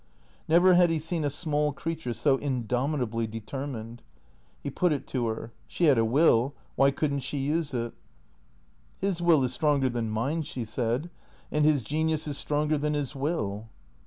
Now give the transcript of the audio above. Never had he seen a small creature so indomitably determined. He put it to her. She had a will ; why could n't , she use it? " His will is stronger than mine," she said. " And his genius is stronger than his will."